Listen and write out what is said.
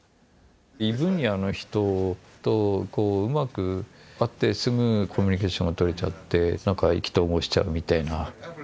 異分野の人とうまく会ってすぐコミュニケーションがとれちゃってなんか意気投合しちゃうみたいな。